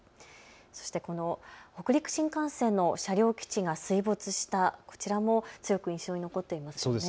そしてこの北陸新幹線の車両基地が水没した、こちらも強く印象に残っていますよね。